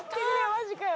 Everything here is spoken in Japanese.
マジかよ。